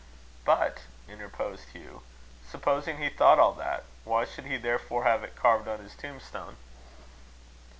"But," interposed Hugh, "supposing he thought all that, why should he therefore have it carved on his tombstone?"